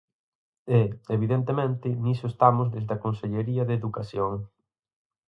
E, evidentemente, niso estamos desde a Consellería de Educación.